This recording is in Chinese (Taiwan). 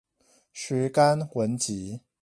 徐訏文集